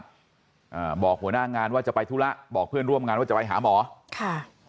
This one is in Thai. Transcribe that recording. อ่าบอกหัวหน้างานว่าจะไปธุระบอกเพื่อนร่วมงานว่าจะไปหาหมอค่ะ